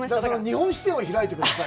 日本支店を開いてください。